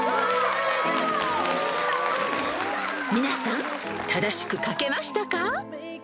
［皆さん正しく書けましたか］